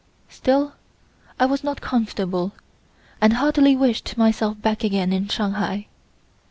Still, I was not comfortable, and heartily wished myself back again in Shanghai.